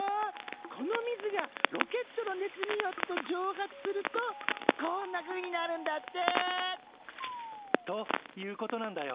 この水がロケットの熱によって蒸発するとこんなふうになるんだって！ということなんだよ。